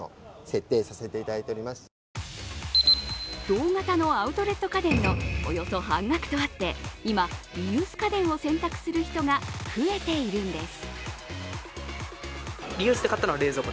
同型のアウトレット家電のおよそ半額とあって今、リユース家電を選択する人が増えているんです。